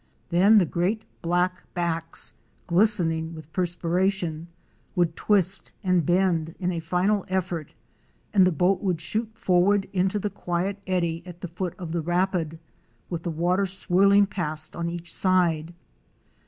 Then the great black backs, glistening with perspiration, would twist and bend in a final effort and the boat would shoot forward into the quiet eddy at the foot of the rapid, with the water swirling past on each side.